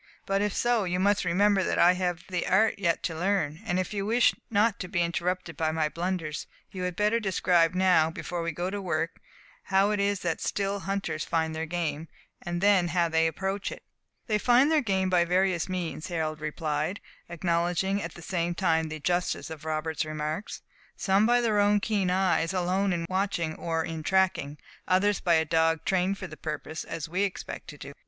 But if so, you must remember that I have the art yet to learn; and if you wish not to be interrupted by my blunders, you had better describe now, before we go to work, how it is that still hunters find their game, and then how they approach it." "They find their game by various means," Harold replied, acknowledging, at the same time, the justice of Robert's remarks. "Some by their own keen eyes alone in watching or in tracking; others by a dog trained for the purpose, as we expect to do.